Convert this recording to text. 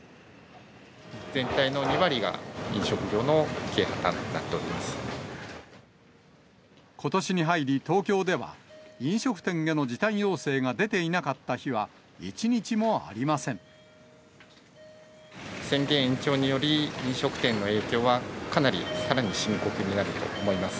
全体の２割が飲食業の経営破ことしに入り、東京では、飲食店への時短要請が出ていなかった日は、宣言延長により、飲食店の影響は、かなり、さらに深刻になると思います。